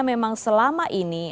memang selama ini